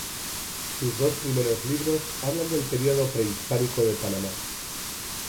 Sus dos primeros libros hablan del periodo prehispánico de Panamá.